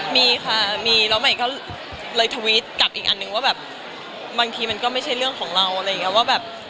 มีค่ะมีแล้วใหม่ก็เลยทวิตกลับอีกอันนึงว่าแบบบางทีมันก็ไม่ใช่เรื่องของเราอะไรอย่างนี้ว่าแบบ